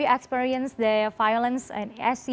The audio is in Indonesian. adakah anda mengalami kegagalan di asia